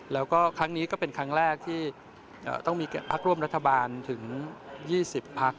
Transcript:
แล้วก็ครั้งนี้ก็เป็นครั้งแรกที่ต้องมีพักร่วมรัฐบาลถึง๒๐พัก